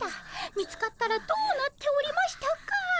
見つかったらどうなっておりましたか。